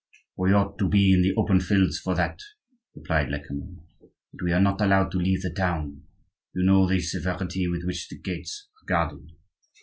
"We ought to be in the open fields for that," replied Lecamus. "But we are not allowed to leave the town; you know the severity with which the gates are guarded.